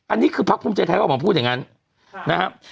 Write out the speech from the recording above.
อันนี้คือพักภูมิใจไทยก็ออกมาพูดอย่างนั้นนะครับ